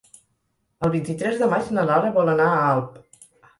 El vint-i-tres de maig na Lara vol anar a Alp.